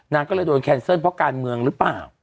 นางก็เลยโดนแคนเซิลเพราะการเมืองหรือเปล่า